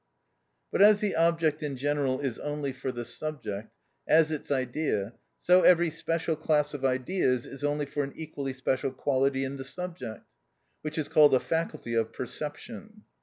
But as the object in general is only for the subject, as its idea, so every special class of ideas is only for an equally special quality in the subject, which is called a faculty of perception.